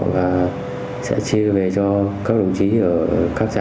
và sẽ chia về cho các đồng chí ở các trạm khác nhau